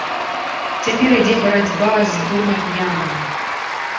Цяпер ідзе барацьба з дурнап'янам.